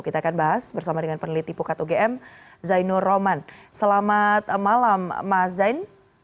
kita akan bahas bersama dengan peneliti bukat ugm zainul roman selamat malam mbak zain